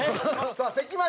さあ関町！